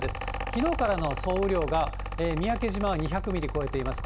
きのうからの総雨量が、三宅島は２００ミリを超えています。